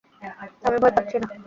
আমি ভয় পাচ্ছি না!